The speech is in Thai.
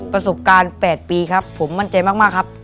ประสบการณ์๘ปีครับผมมั่นใจมากครับ